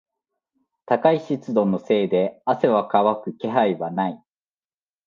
高い湿度のせいで汗は乾く気配はない。